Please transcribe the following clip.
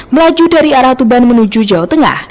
melaju dari arah tuban menuju jawa tengah